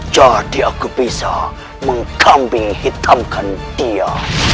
jadi aku bisa menggambing hitamkan dia